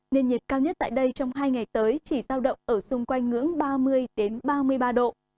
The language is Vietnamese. nền nhiệt cao nhất tại đây trong hai ngày tới chỉ giao động ở xung quanh ngưỡng ba mươi ba mươi ba độ